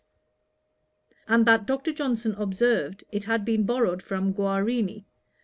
and that Dr. Johnson observed, 'it had been borrowed from Guarini.'